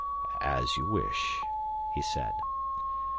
"As you wish," he said.